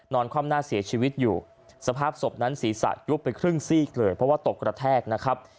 คว่ำหน้าเสียชีวิตอยู่สภาพศพนั้นศีรษะยุบไปครึ่งซีกเลยเพราะว่าตกกระแทกนะครับ